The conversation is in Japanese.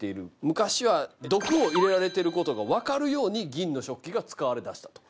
昔は毒を入れられてることが分かるように銀の食器が使われだしたと。